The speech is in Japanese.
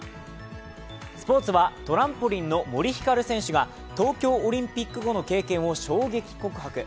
スポーツはトランポリンの森ひかる選手が東京オリンピック後の経験を衝撃告白。